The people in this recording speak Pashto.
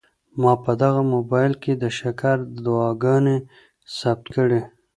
ما په دغه موبایل کي د شکر دعاګانې ثبت کړې.